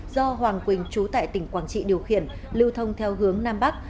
do hoàng quỳnh chú tại tỉnh quảng trị điều khiển lưu thông theo hướng nam bắc